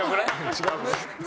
違うね。